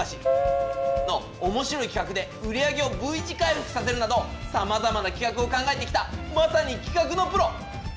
プー。のおもしろい企画で売り上げをＶ字回復させるなどさまざまな企画を考えてきたまさに企画のプロ。